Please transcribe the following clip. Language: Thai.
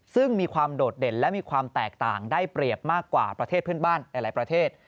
ซึ่งมีความโดดเด่นและมีความแตกต่างได้เปรียบมากกว่าประเทศเพื่อนบ้านหลายประเทศ